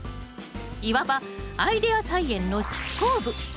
いわばアイデア菜園の執行部！